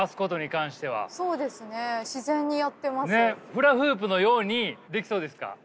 フラフープのようにできそうですか？